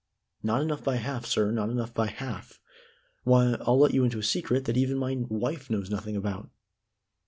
"Not enough by half, sir not enough by half. Why, I'll let you into a secret that even my wife knows nothing about."